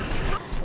temen kampus non